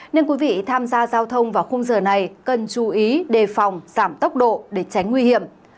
nên quý vị tham gia giao thông vào khung giờ này cần chú ý đề phòng giảm tốc độ để tránh nguy hiểm